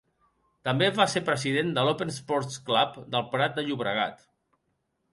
També va ser president de l'Open Esports Club del Prat de Llobregat.